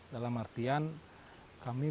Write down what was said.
dalam artian kami